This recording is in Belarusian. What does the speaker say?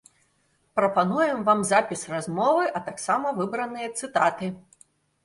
Прапануем вам запіс размовы, а таксама выбраныя цытаты.